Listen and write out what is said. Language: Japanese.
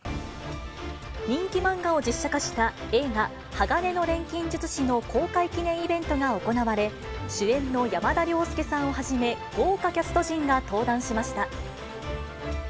人気漫画を実写化した映画、鋼の錬金術師の公開記念イベントが行われ、主演の山田涼介さんをはじめ、豪華キャスト陣が登壇しました。